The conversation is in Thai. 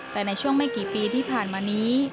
แต่ในช่วงไม่กี่ปีที่ผ่านมานี้